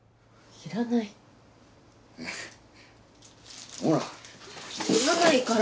いらないから！